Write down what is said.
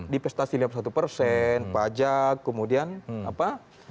divestasi lima puluh satu persen pajak kemudian apa